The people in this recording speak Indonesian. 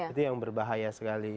itu yang berbahaya sekali